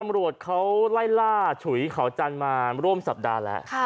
ตำรวจเขาไล่ล่าฉุยเขาจันทร์มาร่วมสัปดาห์แล้ว